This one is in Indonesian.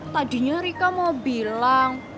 tadinya rika mau bilang